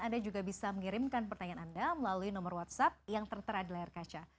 anda juga bisa mengirimkan pertanyaan anda melalui nomor whatsapp yang tertera di layar kaca